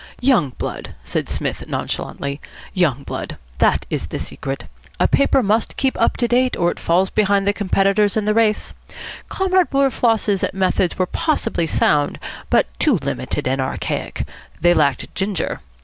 "Young blood," said Psmith nonchalantly, "young blood. That is the secret. A paper must keep up to date, or it falls behind its competitors in the race. Comrade Wilberfloss's methods were possibly sound, but too limited and archaic. They lacked ginger.